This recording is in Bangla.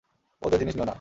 ওদের জিনিস নিও না।